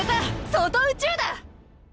外宇宙だ！